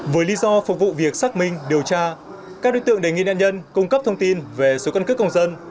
với lý do phục vụ việc xác minh điều tra các đối tượng đề nghị nạn nhân cung cấp thông tin về số căn cước công dân